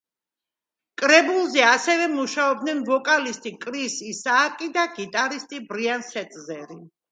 კრებულზე ასევე მუშაობდნენ ვოკალისტი კრის ისააკი და გიტარისტი ბრიან სეტზერი.